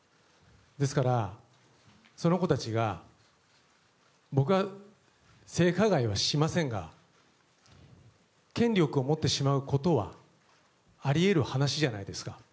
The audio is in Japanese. ですから、その子たちが僕は性加害はしませんが権力を持ってしまうことはあり得る話じゃないですか。